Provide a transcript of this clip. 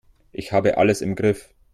Ich habe alles im Griff.